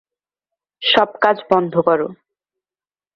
সব কাজ বন্ধ কর।